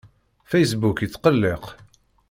Facebook yettqelliq.